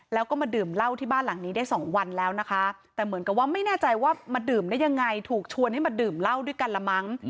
แล้วก็มาดื่มเหล้าที่บ้านหลังนี้ได้สองวันแล้วนะคะแต่เหมือนกับว่าไม่แน่ใจว่ามาดื่มได้ยังไงถูกชวนให้มาดื่มเหล้าด้วยกันละมั้ง